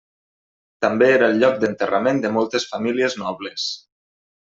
També era el lloc d'enterrament de moltes famílies nobles.